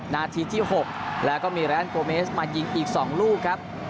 นาทีที่๖แล้วก็มีแรนโกเมสมายิงอีก๒ลูกครับ